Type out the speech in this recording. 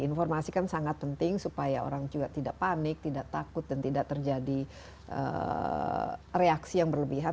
informasi kan sangat penting supaya orang juga tidak panik tidak takut dan tidak terjadi reaksi yang berlebihan